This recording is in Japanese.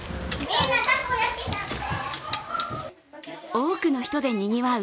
多くの人でにぎわう